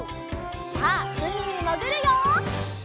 さあうみにもぐるよ！